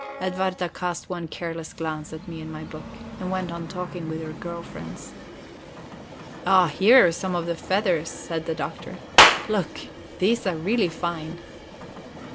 Edwarda cast one careless glance at me and my book, and went on talking with her girl friends. "Ah, here are some of the feathers," said the Doctor. "Look, these are really fine."